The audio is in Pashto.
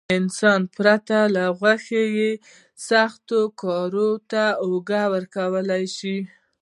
انسان پرته له غوښو سختو کارونو ته اوږه ورکولای شي.